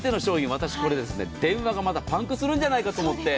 私、これ電話がまたパンクするんじゃないかと思いまして。